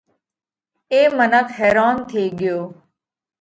اي منک حيرونَ ٿي ڳيو